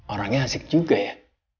orangnya asik juga ya